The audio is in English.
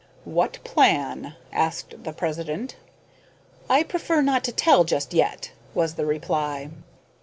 "What plan?" asked the president. "I prefer not to tell just yet," was the reply.